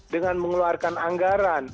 dengan mengeluarkan anggaran